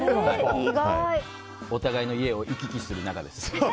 お互いの家を行き来する仲です。